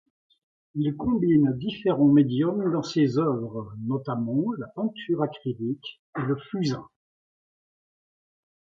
Il combine différents médiums dans ses oeuvres notamment la peinture acrylique et le fusain.